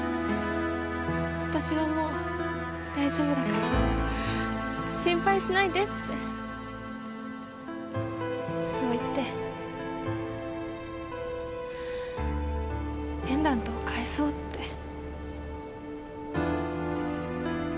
私はもう大丈夫だから心配しないでってそう言ってペンダントを返そうって。